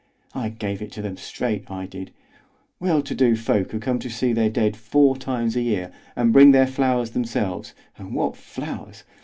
I gave it to them straight, I did: well to do folk who come to see their dead four times a year, and bring their flowers themselves, and what flowers!